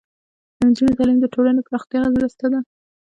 د نجونو تعلیم د ټولنې پراختیا مرسته ده.